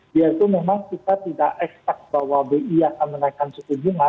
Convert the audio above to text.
biar itu memang kita tidak ekstrak bahwa bi akan menaikkan suku bunga